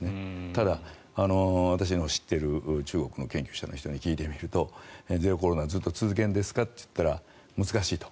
ただ、私の知っている中国の研究者の人に聞いてみるとゼロコロナをずっと続けるんですかと言ったら難しいと。